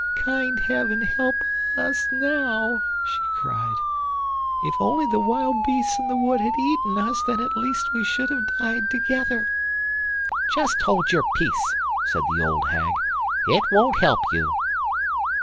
"Kind heaven help us now!" she cried; "if only the wild beasts in the wood had eaten us, then at least we should have died together." "Just hold your peace," said the old hag; "it won't help you."